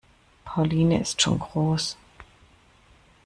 Pauline ist schon groß.